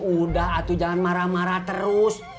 udah tuh jangan marah marah terus